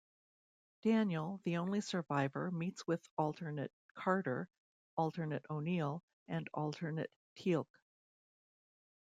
Daniel, the only survivor, meets with alternate Carter, alternate O'Neill and alternate Teal'c.